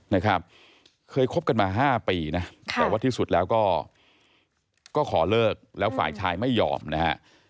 นะครับเคยคบกันมา๕ปีนะแต่ว่าที่สุดแล้วก็ก็ขอเลิกแล้วฝ่ายชายไม่ยอมนะฮะ